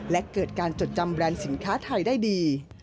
และเกิดการจดจำแรนด์สินค้าไทยได้ดี